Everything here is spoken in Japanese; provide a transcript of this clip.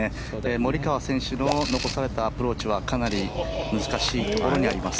モリカワ選手の残されたアプローチはかなり難しいところにあります。